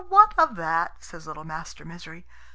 ] "What of that?" says little Master Misery.